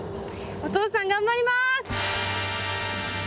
お父さん頑張ります！